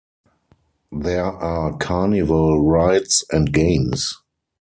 There are carnival rides and games.